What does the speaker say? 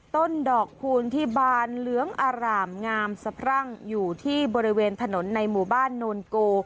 ต้นดอกคูณที่บานเหลืองอร่ามงามสะพรั่งอยู่ที่บริเวณถนนในหมู่บ้านโนนโก